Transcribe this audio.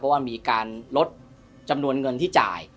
เพราะว่ามีการลดจำนวนเงินที่จ่าย